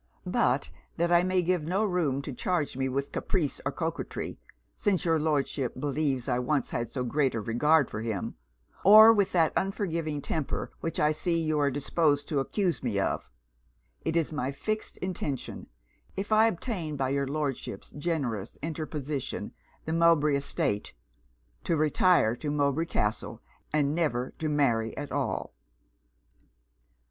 But that I may give no room to charge me with caprice or coquetry (since your Lordship believes I once had so great a regard for him), or with that unforgiving temper which I see you are disposed to accuse me of, it is my fixed intention, if I obtain, by your Lordship's generous interposition, the Mowbray estate, to retire to Mowbray Castle, and never to marry at all.'